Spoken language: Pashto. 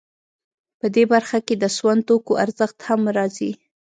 په دې برخه کې د سون توکو ارزښت هم راځي